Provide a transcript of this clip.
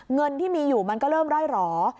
เงินที่มีอยู่มันก็เริ่มร่อยหล่อ